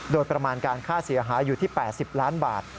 โดยประมาณการค่าเสียหายอยู่ที่๘๐ล้านบาท